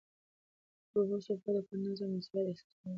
د اوبو سپما د کورني نظم او مسؤلیت احساس پیاوړی کوي.